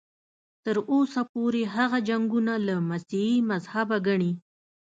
تر اوسه پورې هغه جنګونه له مسیحي مذهبه ګڼي.